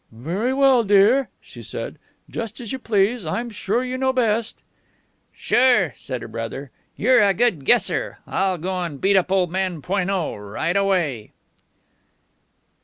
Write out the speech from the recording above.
"Very well, dear," she said. "Just as you please. I'm sure you know best." "Sure!" said her brother. "You're a good guesser. I'll go and beat up old man Poineau right away."